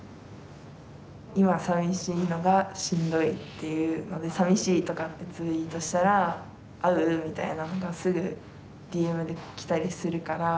今さみしいのがしんどいっていうのでさみしいとかってツイートしたら「会う？」みたいなのがすぐＤＭで来たりするから。